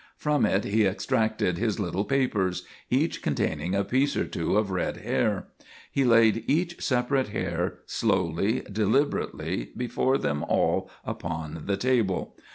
From it he extracted his little papers, each containing a piece or two of red hair. He laid each separate hair slowly, deliberately, before them all upon the table.